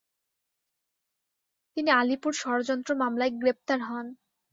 তিনি আলীপুর ষড়যন্ত্র মামলায় গ্রেপ্তার হন।